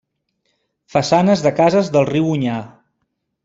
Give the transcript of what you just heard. Façanes de cases del riu Onyar.